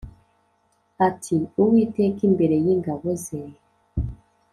Ati:” Uwiteka imbere y`ingabo ze